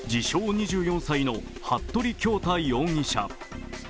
２４歳の服部恭太容疑者。